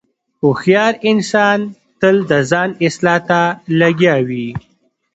هوښیار انسان تل د ځان اصلاح ته لګیا وي.